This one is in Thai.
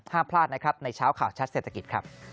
ห้ามพลาดนะครับในเช้าข่าวชัดเศรษฐกิจครับ